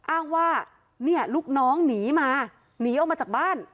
อ้างว่าเนี่ยลูกน้องหนีมาหนีออกมาจากบ้าน